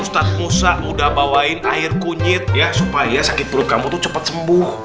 ustadz musa udah bawain air kunyit ya supaya sakit perut kamu tuh cepat sembuh